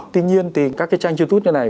tuy nhiên thì các cái trang youtube như này